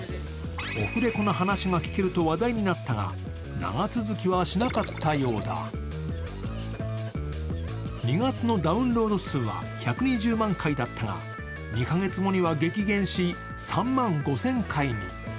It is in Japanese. オフレコの話が聴けると話題になったが、長続きはしなかったようだ２月のダウンロード数は１２０万回だったが２カ月後には激減し、３万５０００回に。